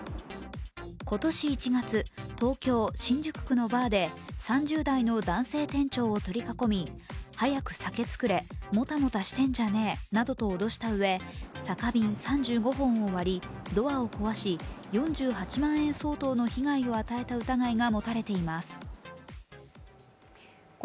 今年１月、東京・新宿区のバーで、３０代の男性店長を取り囲み早く酒作れ、もたもたしてんじゃねえなどと脅したうえ、酒瓶３５本を割り、ドアを壊し、４８万円相当の被害を与えた疑いが持たれています。